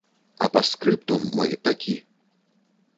А пастскрыптум мой такі.